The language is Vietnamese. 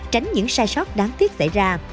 tránh những sai sót đáng tiếc xảy ra